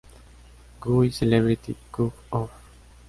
Guy: Celebrity Cook-Off.